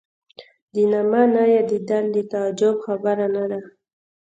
د نامه نه یادېدل د تعجب خبره نه ده.